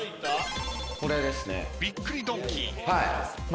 これですね。びっくりドンキー。